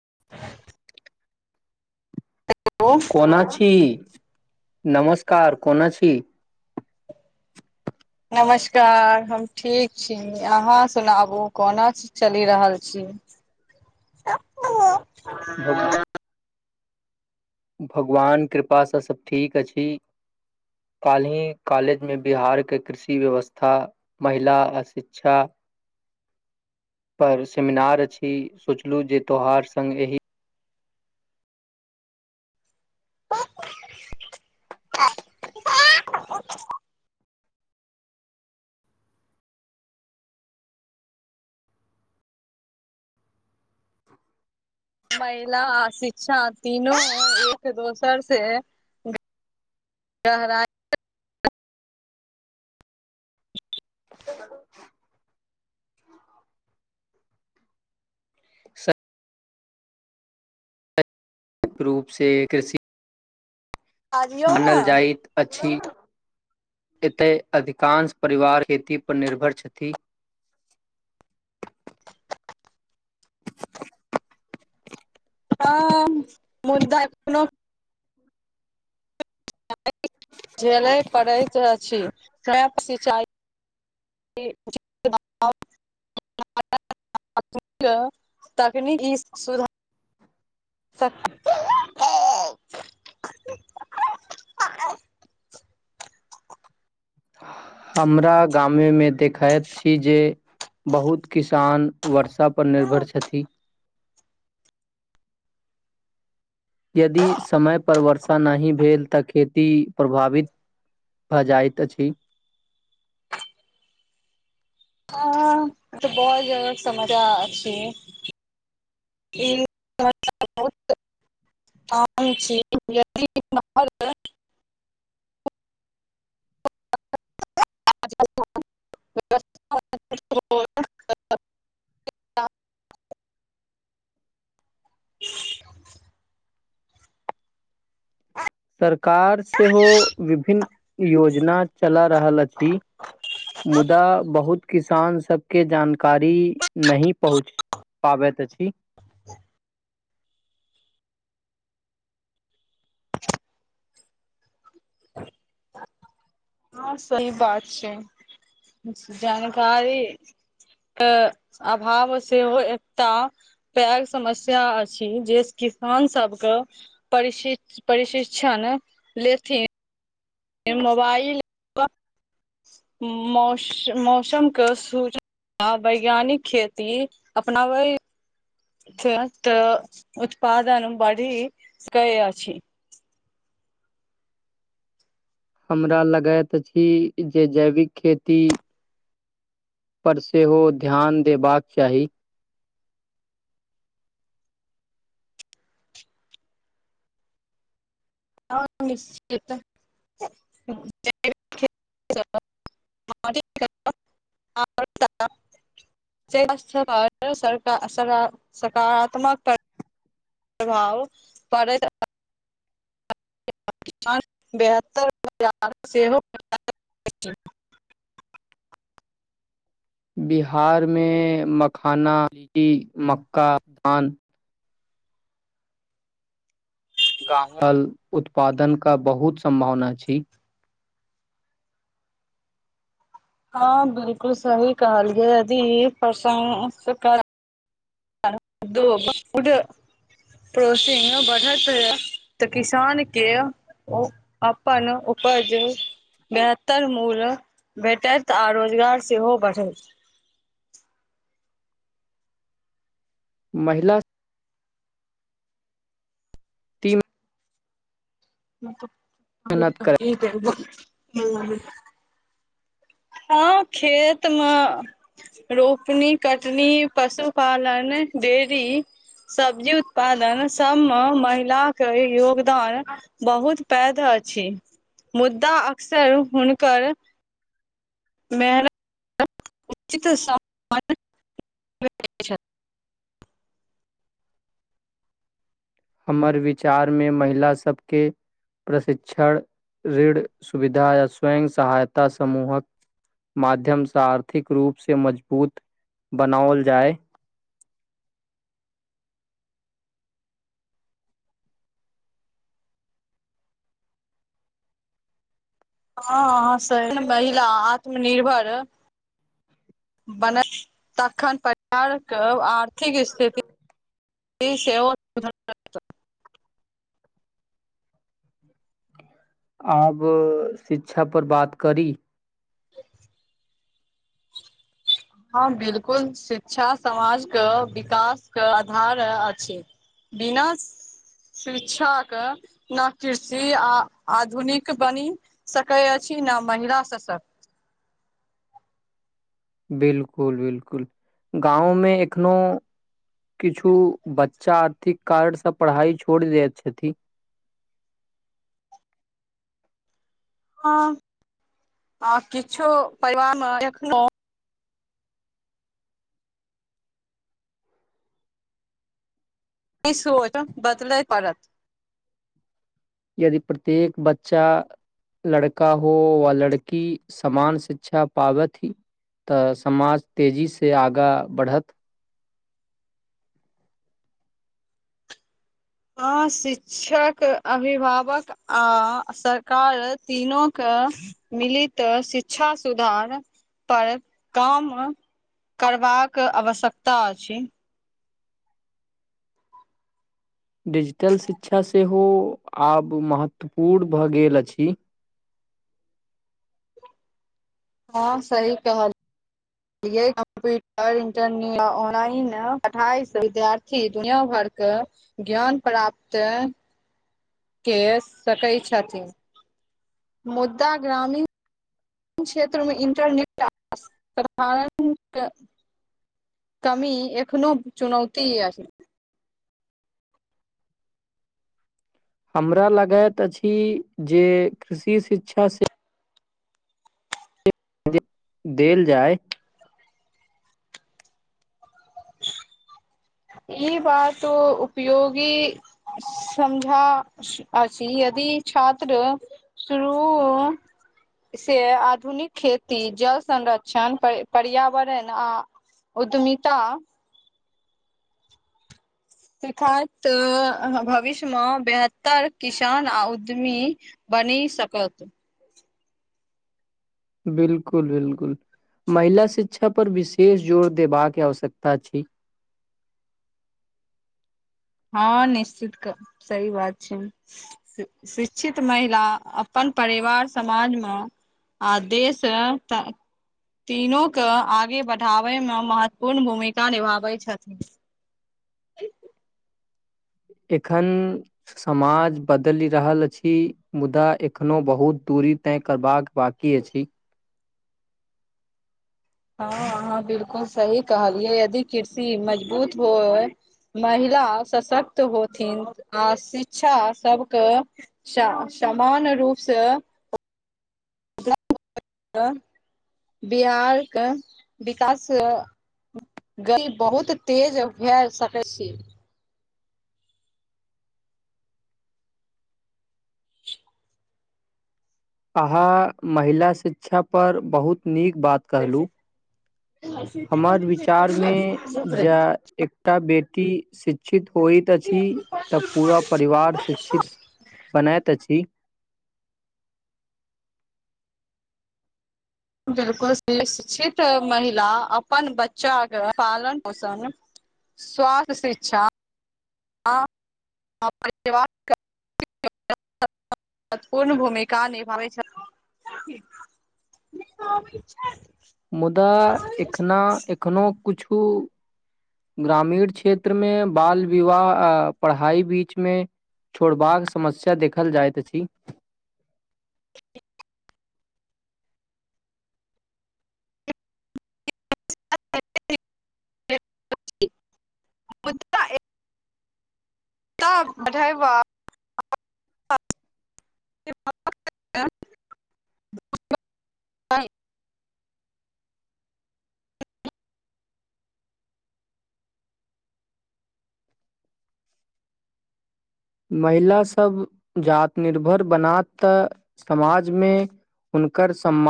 [inaudible] hello कोना छी नमस्कार कोना छी नमस्कार हम ठीक छी अहाँ सुनाबू कोना चलि रहल छी भग [inaudible] भगवान कृपासँ सभ ठीक अछि कालहि कॉलेजमे बिहारके कृषि व्यवस्था महिला अ शिक्षा पर सेमिनार अछि सोचलहुँ जे त्यौहार संग एहि महिला आ शिक्षा तीनू एक दोसर सँ गहराई रूपसँ कृषि आजियौ ने मानाल जाइत अछि एतय अधिकांश परिवार खेती पर निर्भर छथि [inaudible] [inaudible] हँ मुद्दा कोनो झेलय पड़ैत अछि स्व सिंचाइ [unintelligible] [unintelligible] तकनीकी सुधार [unintelligible] हमरा गामे मे देखैत छी जे बहुत किसान वर्षा पर निर्भर छथि यदि समय पर वर्षा नहि भेल तऽ खेती प्रभावित भऽ जाइत अछि ह तऽ बहुत जदा समझा छी ई बहुत [unintelligible] आ चीार [unintelligible] [inaudible] [inaudible] [inaudible] सरकार सेहो विभिन्न योजना चला रहल अछि मुदा बहुत किसान सबके जानकारी नहि पहुँच पाबत अछि हँ सही बात छै जानकारी अ अभाव सेहो एकटा पैघ समस्या अछि जे किसान सबके पर प्रशि प्रशिक्षण लेथिन मोबाइल मौसम मौसम के सूच हँ वैज्ञानिक खेती अपनाबै त तऽ उत्पादन बढ़ी क अछी हमरा लगैत अछि जे जैविक खेती पर सेहो ध्यान देबाक चाही निश्च [unintelligible] [unintelligible] थ स स सकारात्मक [unintelligible] प्रभाव पड़ैत [unintelligible] पान बेहतर बाजार सेहो [inaudible] बिहारमें मखाना लीटी मक्का धान गाल उत्पादन का बहुत सम्भावना अछि हँ बिलकुल सही कहल यदी प्रशं दू उड [unintelligible] प्रोसीन बढ़त है तऽ किसान के ओ अपन ओ बाजू बेहतर मूल्य भेटत आ रोजगार सेहो बढ़थि महिला तीन [inaudible] मेहनत कर हँ खेतमे रोपनी कटनी पशुपालन डेरी सब्जी उत्पादन सब मे महिलाक योगदान बहुत पैघ अछि मुद्दा अक्सर हुनकर मेहनत उचित [unintelligible] हमर विचारमे महिला सभके प्रशिक्षण ऋढ़ सुविधा य स्वयं सहायता समूहक माध्यमसँ आर्थिक रूप से मजबूत बनाओल जाय [inaudible] [inaudible] हँ अहास महिला आत्मनिर्भर बनल तखन परिवारके आर्थिक स्थिति से सेवन [inaudible] अब शिक्षा पर बात करी हँ बिलकुल शिक्षा समाजके विकासके आधार अछि बिनश शिक्षाक ने कृषि आ आधुनिक बनि सकै अछि चीना महिला ससत [inaudible] बिलकुल बिलकुल गाँव मे एखनो किछु बच्चा आर्थिक कारण सँ पढ़ाइ छोड़ि दैत छथिन [inaudible] ह आ किछु पब [unintelligible] नहि सोच बदल परत यदि प्रत्येक बच्चा लड़का हो वा लड़की समान शिक्षा पाबैत ही तऽ समाज तेजीसँ आगाँ बढ़त हँ शिक्षक अभिभावक आ सरकार तीनोक मिलित शिक्षा सुधार पर काम करबाक आवश्यकता अछि डिजिटल शिक्षा सेहो आब महत्वपूर्ण भऽ गेल अछि [inaudible] हँ सही कहल कम्प्यूटर इन्टरनेट आ ऑनलाइन पढ़ाइ विद्यार्थी दुनिया भरि ज्ञान प्राप्त के सकै छथि मुद्दा ग्रामीण क्षेत्र मे इंटरनेट असाधरण कामी एखनो चुनौती आ हमरा लगैत अछि जे कृषि शिक्षा सँ देल जाय ई बात उपयोगी समझा अछि यदि छात्र शुरू से आधुनिक खेती जल संरक्षण पर्यावरण आ उतमिता सखा भविष्यमे बेहत्तर किसान आ उद्यमी बनी सकत बिलकुल बिलकुल महिला शिक्षा पर विशेष जोर देबाक आवश्यकता अछि [inaudible] हँ निश्चित सही बात छै शिक्षित महिला अपन परिवार समाजमे आ देश त तीनो आगे बढ़ाबयमे महत्वपूर्ण भूमिका निभाबैत छथिन ठ [inaudible] एखन समाज बदलि रहल अछि मुदा एखनो बहुत दूर परीत करबाक बकी अछि हँ अहाँ बिलकुल सही कहलियै यदि कृषि मजबूत होइ महिला सशक्त होथिन आ शिक्षा सबके समान रूपसँ [inaudible] बिहारके विकास गल बहुत तेज भए सकैत छी अहाँ महिला शिक्षापर बहुत नीक बात कहलहुँ हमर विचार मे जे एकटा बेटी शिक्षित होइत अछि तऽ पूरा परिवार शिक्षित बनैत अछि बिलकुल शिक्षित महिला अपन बच्चाके पालन पोषण स्वास्थय शिक्षा हँ [unintelligible] महत्वपूर्ण भूमिका निभाबै छै [unintelligible] मुदा एखना एखनोहु कुछु ग्रामीण क्षेत्रमे बाल विवाह पढ़ाई बीचमे छोड़बाक समस्या देखल जाइत अछि मुदा बढ़ाइबा [unintelligible] नहि महिला सब जात निर्भर बनात तऽ समाजमे हुनकर सम्मान